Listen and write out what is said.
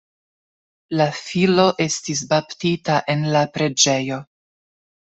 La filo estis baptita en la preĝejo.